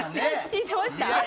聞いてました？